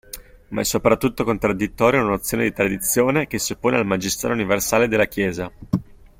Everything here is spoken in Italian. Ma è soprattutto contraddittoria una nozione di Tradizione che si oppone al Magistero universale della Chiesa.